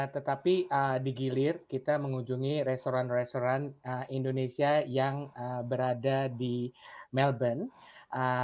tetapi di gilir kita mengunjungi restoran restoran indonesia yang berada di melbourne